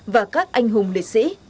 và các anh hùng lịch sĩ